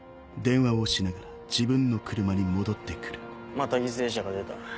また犠牲者が出た。